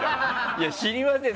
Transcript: いや知りませんよ。